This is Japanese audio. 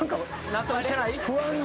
納得してない？